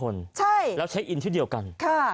แล้วเช็คอินที่เดียวกัน